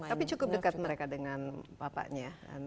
tapi cukup dekat mereka dengan bapaknya